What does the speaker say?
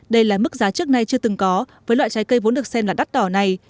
đây là mức giá trước nay chưa từng có với loại trái cây vốn được xem là đắt đỏ này